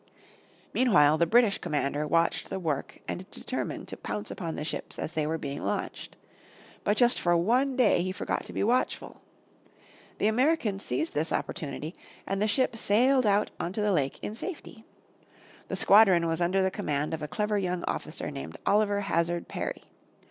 Meanwhile the British commander watched the work and determined to pounce upon the ships as they were being launched. But just for one day he forgot to be watchful. The Americans seized the opportunity, and the ships sailed out on to the lake in safety. The squadron was under the command of a clever young officer named Oliver Hazard Perry.